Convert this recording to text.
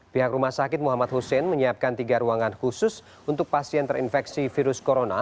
pihak rumah sakit muhammad hussein menyiapkan tiga ruangan khusus untuk pasien terinfeksi virus corona